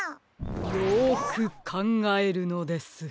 よくかんがえるのです。